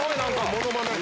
モノマネ。